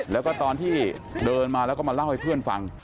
แล้วก็ตอนที่เดินมาแล้วก็มาเล่าให้เพื่อนฟัง